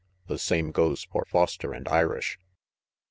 The same goes for Foster and Irish."